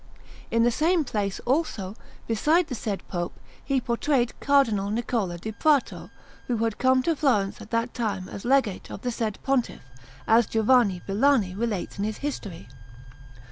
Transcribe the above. In the same place, also, beside the said Pope, he portrayed Cardinal Niccola da Prato, who had come to Florence at that time as Legate of the said Pontiff, as Giovanni Villani relates in his History.